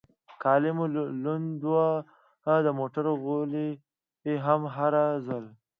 کالي مې لوند و، د موټر غولی هم هر ځل.